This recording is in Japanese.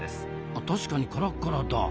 あ確かにカラカラだ。